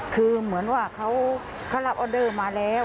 คือเหมือนว่าเขารับออเดอร์มาแล้ว